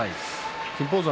金峰山